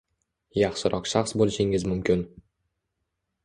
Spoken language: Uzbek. Yaxshiroq shaxs bo’lishingiz mumkin.